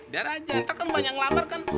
biar aja ntar kan banyak ngelamar kan